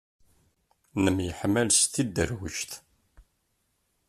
Nemyeḥmal s tidderwect.